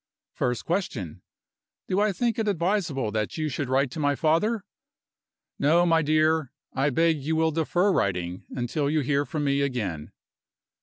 First question: Do I think it advisable that you should write to my father? No, my dear; I beg you will defer writing, until you hear from me again.